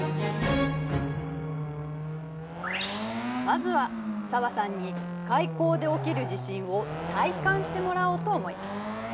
まずは紗和さんに海溝で起きる地震を体感してもらおうと思います。